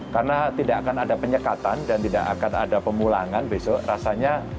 karena tidak akan ada penyekatan dan tidak akan ada pemulangan besok rasanya